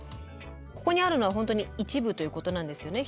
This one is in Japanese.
ここにあるのは本当に一部ということなんですよね。